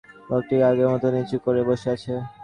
লোকটি আগের মতো মাথা নিচু করে বসে আছে।